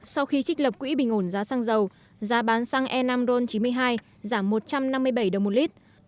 sau khi trích lập quỹ bình ổn giá xăng dầu giá bán xăng e năm ron chín mươi hai giảm một trăm năm mươi bảy đồng một lít